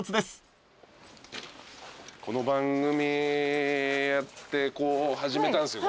この番組やって始めたんすよ